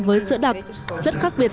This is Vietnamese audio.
với sữa đặc rất khác biệt